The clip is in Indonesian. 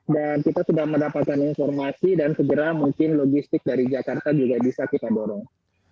dan kita sudah mendapatkan informasi dan segera mungkin logistik dari jakarta juga bisa kita dorong